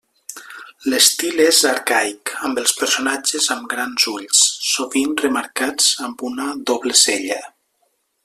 L'estil és arcaic, amb els personatges amb grans ulls, sovint remarcats amb una doble cella.